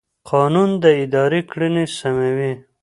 قانون د ادارې کړنې سموي.